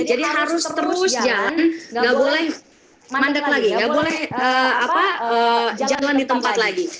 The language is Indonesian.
jadi harus terus jalan tidak boleh mandak lagi tidak boleh jalan di tempat lagi